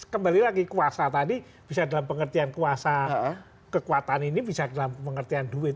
kembali lagi kuasa tadi bisa dalam pengertian kuasa kekuatan ini bisa dalam pengertian duit